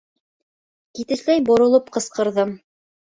Китешләй боролоп ҡысҡырҙым: